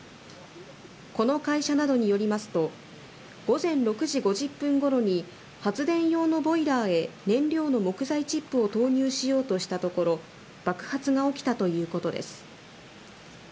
この会社などによりますと、午前６時５０分ごろに発電用のボイラーへ燃料の木材チップを投入しようとしたところ、爆発が起きたということです。